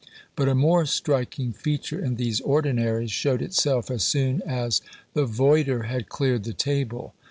But a more striking feature in these "Ordinaries" showed itself as soon as "the voyder had cleared the table."